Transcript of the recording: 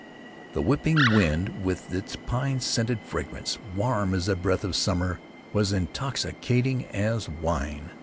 The whipping wind with its pine scented fragrance, warm as the breath of summer, was intoxicating as wine.